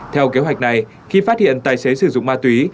theo kế hoạch này khi phát hiện tài xế sử dụng ma túy